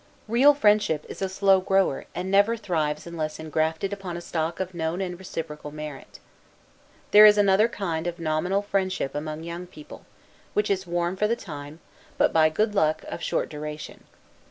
Real friendship is a slow grower and never thrives unless engrafted upon a stock of known and reciprocal merit. There is another kind of nominal friendship among young people, which is warm for the time, but by good luck, of short duration.